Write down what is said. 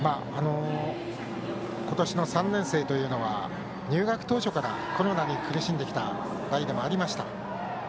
今年の３年生というのは入学当初からコロナに苦しんできた代でもありました。